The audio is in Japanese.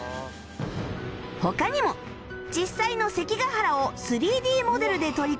他にも実際の関ヶ原を ３Ｄ モデルで取り込み